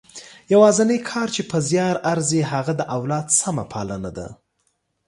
یوازنۍ کار چې په زیار ارزي هغه د اولاد سمه پالنه ده.